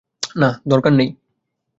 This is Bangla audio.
না, দরকার নেই।